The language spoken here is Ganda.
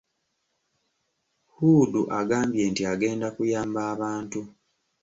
Hudu agambye nti agenda kuyamba abantu.